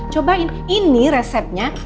cobain ini resepnya